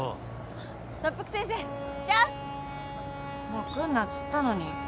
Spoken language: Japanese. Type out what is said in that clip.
もう来んなっつったのに。